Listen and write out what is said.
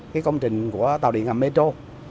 cái công trình của tàu điện ở metro